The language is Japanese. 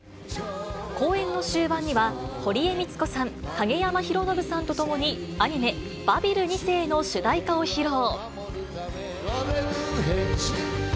公演の終盤には、堀江美都子さん、影山ヒロノブさんと共に、アニメ、バビル２世の主題歌を披露。